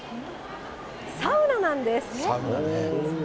サウナなんです。